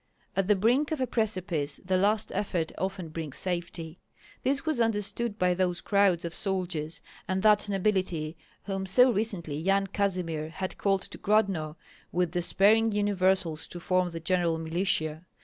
At the brink of a precipice the last effort often brings safety; this was understood by those crowds of soldiers and that nobility whom so recently Yan Kazimir had called to Grodno with despairing universals to form the general militia.